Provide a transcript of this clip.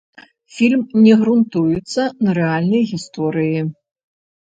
Фільм не грунтуецца на рэальнай гісторыі.